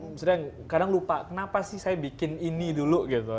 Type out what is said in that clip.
maksudnya kadang lupa kenapa sih saya bikin ini dulu gitu